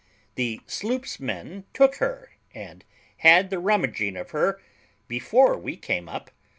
The sloop's men took her, and had the rummaging of her before we came up.